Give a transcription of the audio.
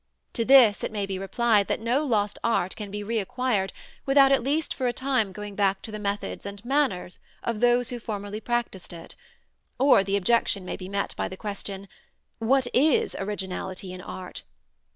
To this it may be replied that no lost art can be re acquired without at least for a time going back to the methods and manner of those who formerly practised it; or the objection may be met by the question, What is originality in art?